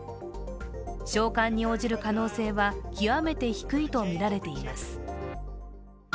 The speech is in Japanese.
召喚に応じる可能性は極めて低いとみられています。